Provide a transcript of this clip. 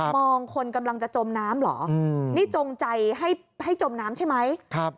คนกำลังจะจมน้ำเหรอนี่จงใจให้จมน้ำใช่ไหม